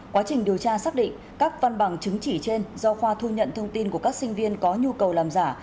quá trình điều tra xác định các văn bằng chứng chỉ trên do khoa thu nhận thông tin của các sinh viên có nhu cầu làm giả